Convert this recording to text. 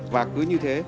và cứ như thế